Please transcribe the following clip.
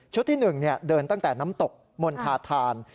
ที่๑เดินตั้งแต่น้ำตกมณฑาธาน